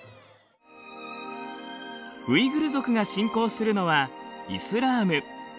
ウイグル族が信仰するのはイスラーム。